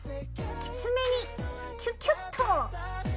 きつめにキュキュッと！